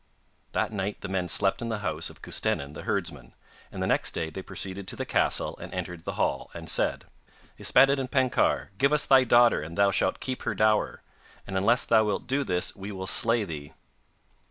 That night the men slept in the house of Custennin the herdsman, and the next day they proceeded to the castle, and entered the hall, and said: 'Yspaddaden Penkawr, give us thy daughter and thou shalt keep her dower. And unless thou wilt do this we will slay thee.